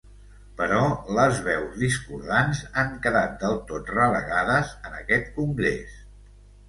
Però les veus discordants han quedat del tot relegades en aquest congrés.